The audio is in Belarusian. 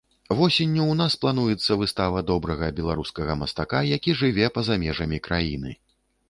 Восенню ў нас плануецца выстава добрага беларускага мастака, які жыве па-за межамі краіны.